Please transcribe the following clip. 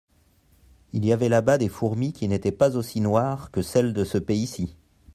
Il y avait là-bas des fourmis qui n’étaient pas aussi noires que celles de ce pays-ci.